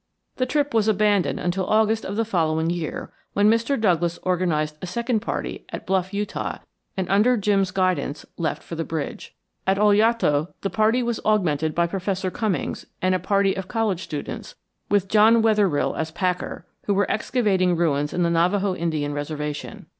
"The trip was abandoned until August of the following year, when Mr. Douglass organized a second party at Bluff, Utah, and under Jim's guidance, left for the bridge. At Oljato the party was augmented by Professor Cummings, and a party of college students, with John Wetherill as packer, who were excavating ruins in the Navajo Indian Reservation.